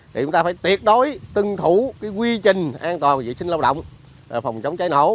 thì chúng ta phải tuyệt đối tuân thủ cái quy trình an toàn vệ sinh lao động phòng chống cháy nổ